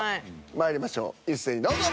まいりましょう一斉にどうぞ。